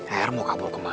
er mau kabur kemana